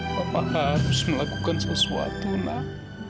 bapak harus melakukan sesuatu nak